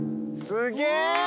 すげえ！